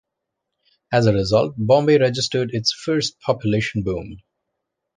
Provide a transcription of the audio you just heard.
As a result Bombay registered its first population boom.